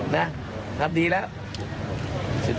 นะทำดีแล้วสุดยอด